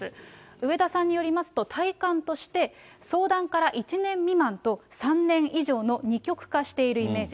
上田さんによりますと、体感として相談から１年未満と、３年以上の二極化しているイメージ。